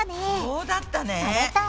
そうだったね！